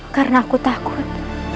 karena aku takut